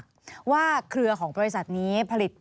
มีความรู้สึกว่ามีความรู้สึกว่า